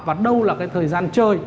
và đâu là cái thời gian chơi